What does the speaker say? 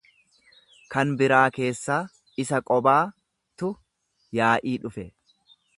kan biraa keessaa; Isa qobaa tu yaa'ii dhufe.